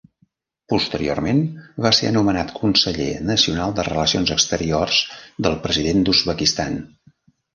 Posteriorment va ser anomenat Conseller nacional de relacions exteriors del president d"Uzbekistan.